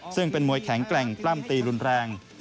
ซึ่งเป็นมวยแข็งแกร่งปล้ำตีรุนแรง